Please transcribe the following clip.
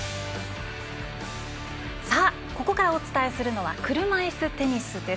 ここからお伝えするのは車いすテニスです。